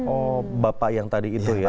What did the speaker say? oh bapak yang tadi itu ya